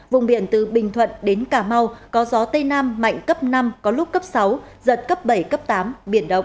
vùng biển từ bình thuận đến cà mau có gió tây nam mạnh cấp năm có lúc cấp sáu giật cấp bảy cấp tám biển động